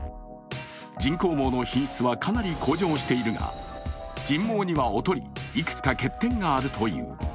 人工毛の品質はかなり向上しているが、人毛には劣り、いくつか欠点があるという。